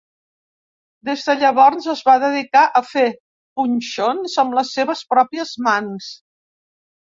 Des de llavors es va dedicar a fer punxons amb les seves pròpies mans.